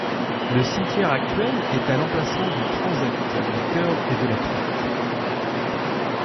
Le cimetière actuel est à l'emplacement du transept, du chœur et de la crypte.